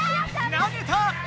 投げた！